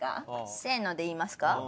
せーので言いますか？